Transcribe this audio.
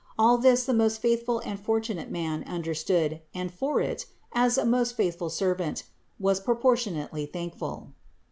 All this THE INCARNATION 337 the most faithful and fortunate man understood and for it, as a most faithful servant, was proportionately thank ful.